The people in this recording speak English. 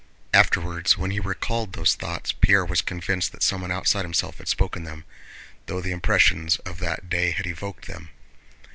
Afterwards when he recalled those thoughts Pierre was convinced that someone outside himself had spoken them, though the impressions of that day had evoked them.